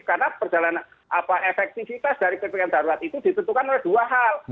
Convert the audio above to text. karena efektifitas dari ppk darurat itu ditentukan oleh dua hal